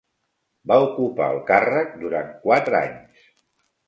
Va ocupar el càrrec durant quatre anys.